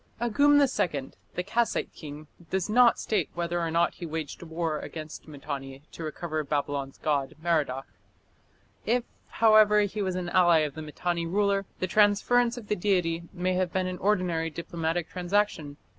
Agum II, the Kassite king, does not state whether or not he waged war against Mitanni to recover Babylon's god Merodach. If, however, he was an ally of the Mitanni ruler, the transference of the deity may have been an ordinary diplomatic transaction.